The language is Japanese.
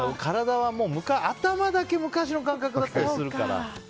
頭だけ昔の感覚だったりするから。